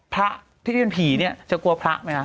พระที่เป็นผีเนี่ยจะกลัวพระไหมคะ